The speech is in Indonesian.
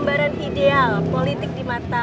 gambaran ideal politik di mata